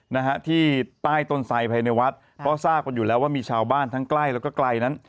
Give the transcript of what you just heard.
นะฮะที่ใต้ต้นไซดภายในวัดเพราะทราบกันอยู่แล้วว่ามีชาวบ้านทั้งใกล้แล้วก็ไกลนั้น